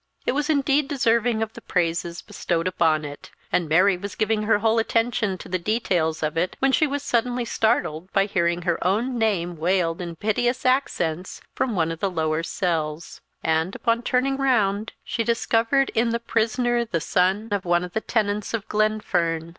It was indeed deserving of the praises bestowed upon it; and Mary was giving her whole attention to the details of it when she was suddenly startled by hearing her own name wailed in piteous accents from one of the lower cells, and, upon turning round, she discovered in the prisoner the son of one of the tenants of Glenfern.